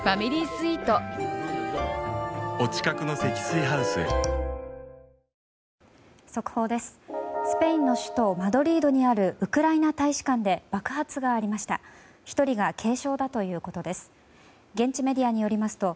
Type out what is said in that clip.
スペインの首都マドリードにあるウクライナ大使館で爆発がありました。